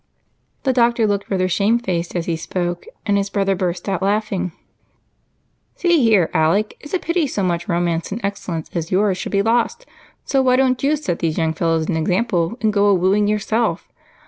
The doctor looked rather shamefaced as he spoke, and his brother burst out laughing. "See here, Alec, it's a pity so much romance and excellence as yours should be lost, so why don't you set these young fellows an example and go a wooing yourself?